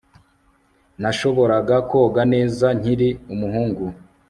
nashoboraga koga neza nkiri umuhungu